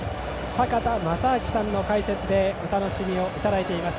坂田正彰さんの解説でお楽しみいただいています。